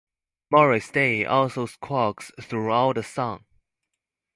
Morris Day also squawks throughout the song.